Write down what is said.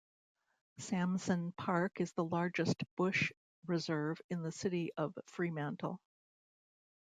Samson Park is the largest bush reserve in the city of Fremantle.